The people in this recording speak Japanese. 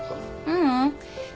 うん。